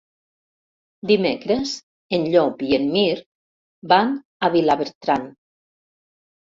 Dimecres en Llop i en Mirt van a Vilabertran.